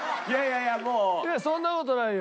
いやそんな事ないよ。